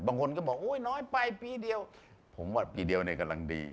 บางคนก็บอกว่าโอ๊ยน้อยไปปีเดียวผมก็บอกว่าปีเดียวไหนกำลังดีครับ